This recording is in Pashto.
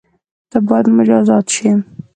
ته بايد مجازات شی